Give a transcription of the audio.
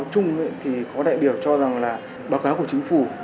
có trung thì có đại biểu cho rằng là báo cáo của chính phủ